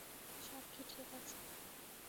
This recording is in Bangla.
সাক্ষী, ঠিক আছে।